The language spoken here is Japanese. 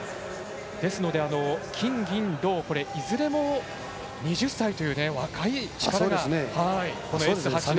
ですので金、銀、銅いずれも、２０歳という若い力がＳ８で。